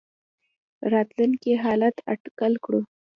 راتلونکي حالات اټکل کړو.